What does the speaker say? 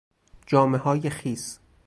جامههای خیس